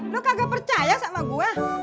lu kagak percaya sama gua